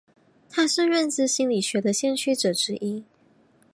他是认知心理学的先驱者之一。